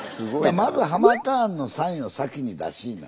まずハマカーンのサインを先に出しいな。